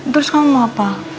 terus kamu mau apa